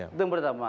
itu yang pertama